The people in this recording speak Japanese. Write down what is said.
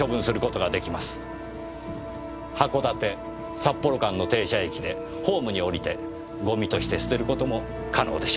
函館・札幌間の停車駅でホームに降りてゴミとして捨てる事も可能でしょう。